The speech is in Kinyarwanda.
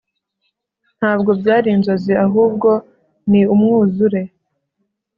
ntabwo byari inzozi ahubwo ni umwuzure